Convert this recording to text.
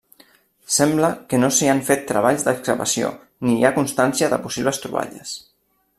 Sembla que no s'hi han fet treballs d'excavació ni hi ha constància de possibles troballes.